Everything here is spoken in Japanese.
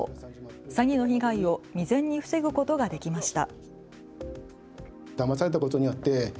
詐欺の被害を未然に防ぐことができました。